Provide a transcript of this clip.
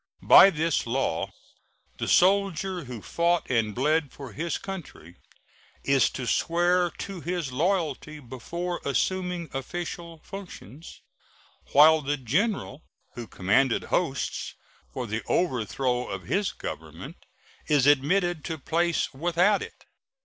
By this law the soldier who fought and bled for his country is to swear to his loyalty before assuming official functions, while the general who commanded hosts for the overthrow of his Government is admitted to place without it.